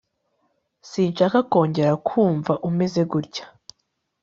sinshaka kongera kumva umeze gutya